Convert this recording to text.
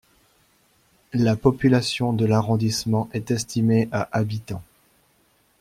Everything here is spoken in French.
La population de l'arrondissement est estimée à habitants.